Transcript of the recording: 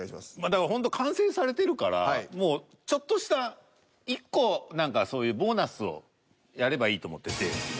だからほんと完成されてるからもうちょっとした１個何かそういうボーナスをやればいいと思ってて。